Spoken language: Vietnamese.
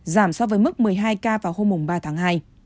giảm so với mức một mươi hai ca vào hôm ba tháng hai